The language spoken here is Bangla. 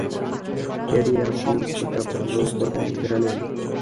টেডি, আপনি সেটা ভালো করেই জানেন!